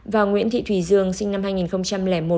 và nguyễn thị thùy dương sinh năm hai nghìn một